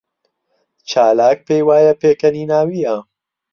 چالاک پێی وایە پێکەنیناوییە.